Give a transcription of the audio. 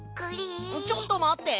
ちょっとまって！